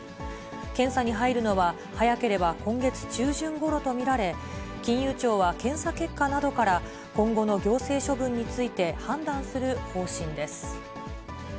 検査に入るのは、早ければ今月中旬ごろと見られ、金融庁は検査結果などから、今後の行政処分について判断する方針です。